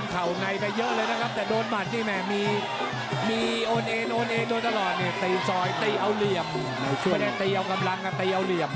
ไม่เดือดแล้วทีนี้ไม่เดือดแล้วยังไม่จบเกมยังไม่จบเกม